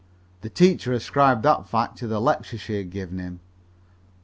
The teacher ascribed that fact to the lecture she had given him.